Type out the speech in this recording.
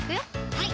はい